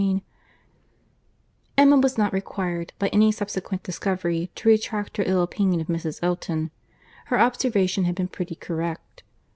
CHAPTER XV Emma was not required, by any subsequent discovery, to retract her ill opinion of Mrs. Elton. Her observation had been pretty correct.